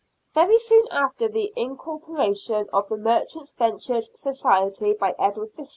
Very soon after the incorporation of the Merchant Venturers' Society by Edward VI.